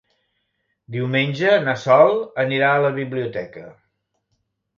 Diumenge na Sol anirà a la biblioteca.